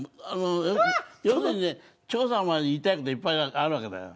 要するにね長さんは言いたいこといっぱいあるわけだよ。